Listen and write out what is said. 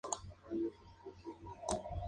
Este sistema fue desarrollado por Intel y Microsoft.